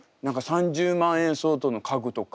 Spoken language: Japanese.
３０万円相当の家具とか。